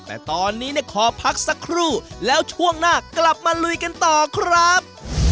แต่ตอนนี้เนี่ยขอพักสักครู่แล้วช่วงหน้ากลับมาลุยกันต่อครับ